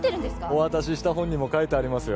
お渡しした本にも書いてありますよ